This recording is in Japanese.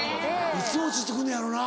いつ落ち着くのやろな？